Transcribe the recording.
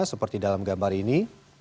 seperti dalam gambar ini